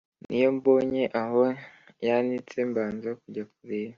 Niyo mboye aho yanitse mbanza kujya kureba